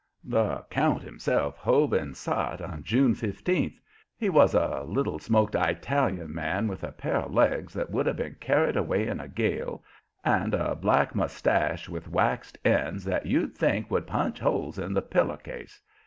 The count himself hove in sight on June fifteenth. He was a little, smoked Italian man with a pair of legs that would have been carried away in a gale, and a black mustache with waxed ends that you'd think would punch holes in the pillow case.